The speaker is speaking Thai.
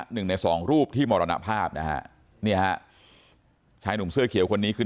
หนึ่งในสองรูปที่มรณภาพนะฮะเนี่ยฮะชายหนุ่มเสื้อเขียวคนนี้คือ